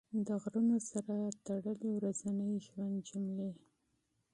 د غرونو سره تړلې ورځني ژوند جملې